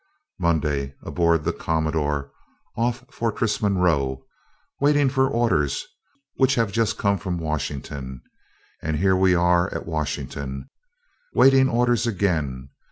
"] Monday. Aboard the "Commodore," off Fortress Monroe, waiting for orders, which have just come, for Washington. And here we are at Washington, waiting orders again.